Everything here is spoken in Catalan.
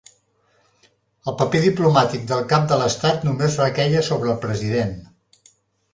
El paper diplomàtic del cap de l'estat només requeia sobre el president.